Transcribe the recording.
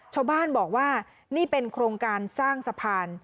ชาวบ้านบอกว่านี่เป็นโครงการสร้างสะพาน